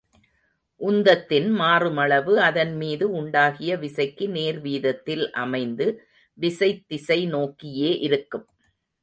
உந்தத்தின்மாறுமளவு அதன்மீது உண்டாகிய விசைக்கு நேர்வீதத்தில் அமைந்து விசைத்திசை நோக்கியே இருக்கும்.